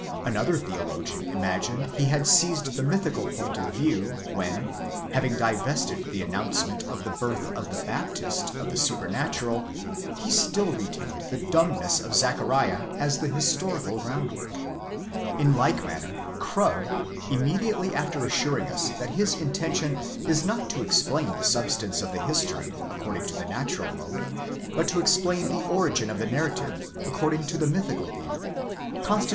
Another theologian? imagined he had seized the mythical point of view, when, having divested the announce ἡ ment of the birth of the Baptist of the supernatural, he still retained the dumbness of Zachariah as the historical groundwork. In like manner Krug,? immediately after assuring us that his intention is not to explain the substance of the history, (according to the natural mode,) but to explain the origin of the narrative, (according to the mythical view,) constitutes an accidental 8 Vid.